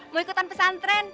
mau ikutan pesantren